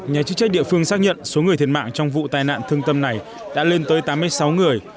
nhà chức trách địa phương xác nhận số người thiệt mạng trong vụ tai nạn thương tâm này đã lên tới tám mươi sáu người